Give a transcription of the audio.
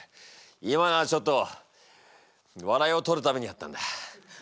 今のはちょっと笑いを取るためにやったんだ。